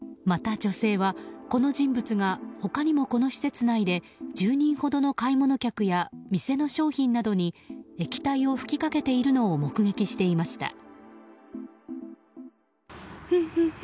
また、女性はこの人物が他にもこの施設内で１０人ほどの買い物客や店の商品などに液体を吹きかけているのを目撃していました。